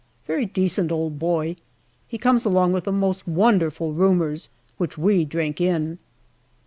Very decent old boy. He comes along with the most wonderful rumours, which we drink in.